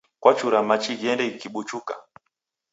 Kwachura machi ghiende ghikibuchuka?